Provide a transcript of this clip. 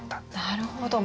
なるほど。